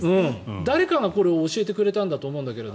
誰かがこれを教えてくれたんだと思うんだけど。